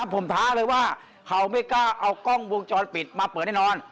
ผมท้าเลยว่าเขาไม่กล้าเอากล้องวงจรปิดมาเปิดแน่นอน